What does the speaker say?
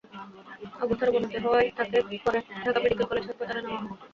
অবস্থার অবনতি হওয়ায় পরে তাঁকে ঢাকা মেডিকেল কলেজ হাসপাতালে নেওয়া হয়।